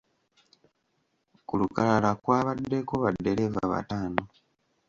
Ku lukalala kwabaddeko baddereeva bataano.